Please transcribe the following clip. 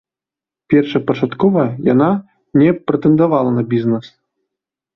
Першапачаткова яна не прэтэндавала на бізнэс.